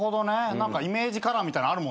何かイメージカラーみたいなのあるもんな。